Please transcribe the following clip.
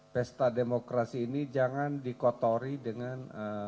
pesta demokrasi ini jangan dikotori dengan